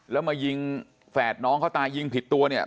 แล้วมายิงแฝดน้องเขาตายยิงผิดตัวเนี่ย